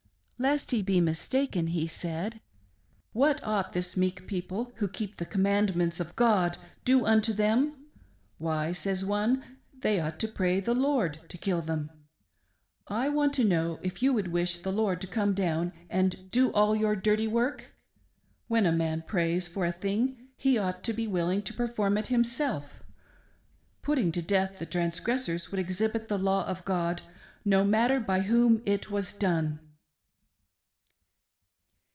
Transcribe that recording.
Lest he should be mistaken he said :" What ought this meek people who keep the commandments of God do unto them ?' Why,' says one, 'they ought to pray the Lord to kill them.' I want to know if you would wish the Lord to come down and do all your dirty work? When a man prays for a thing, he ought to be willing to perform it himself. .... Putting to death the transgressors would exhibit the law of God, no matter by whom it was done."